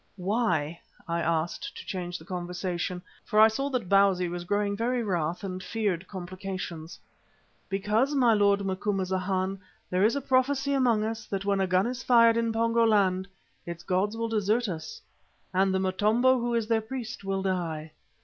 "Why?" I asked, to change the conversation, for I saw that Bausi was growing very wrath and feared complications. "Because, my lord Macumazana, there is a prophecy among us that when a gun is fired in Pongo land, its gods will desert us, and the Motombo, who is their priest, will die.